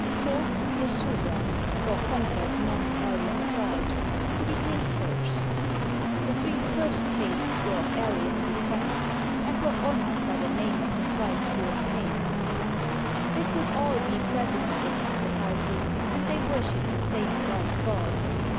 Fourth, the Sudras, or conquered non Aryan tribes, who became serfs. The three first INDIA castes were of Aryan descent, and were honored by the name of the Twdce bom Castes. They could all be present at the sacrifices, and they worshiped the same bright gods.